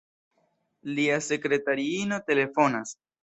Lia sekratariino telefonas.